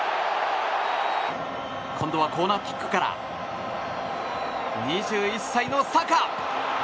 今度はコーナーキックから２１歳のサカ！